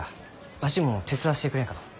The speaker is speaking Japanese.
わしも手伝わせてくれんかのう？